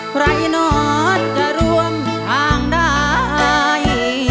ใครนอนจะร่วมทางได้